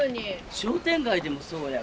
商店街でもそうやわ。